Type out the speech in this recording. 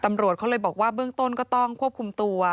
ตำรวจเขาเลยบอกว่าเบื้องต้นก็ต้องควบคุมตัว